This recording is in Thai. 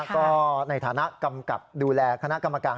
ก็ในฐานะกำกับดูแลคณะกรรมการ